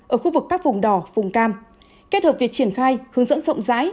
ở khu vực các vùng đỏ vùng cam kết hợp việc triển khai hướng dẫn rộng rãi